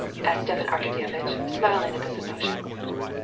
said Stepan Arkadyevitch, smiling at his excitement.